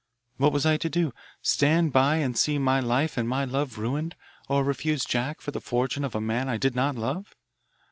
"What was I to do? Stand by and see my life and my love ruined or refuse Jack for the fortune of a man I did not love?